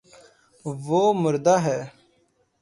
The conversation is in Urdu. وہ مردا ہے